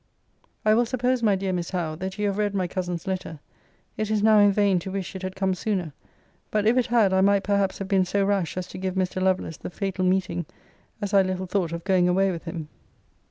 I will suppose, my dear Miss Howe, that you have read my cousin's letter. It is now in vain to wish it had come sooner. But if it had, I might perhaps have been so rash as to give Mr. Lovelace the fatal meeting, as I little thought of going away with him.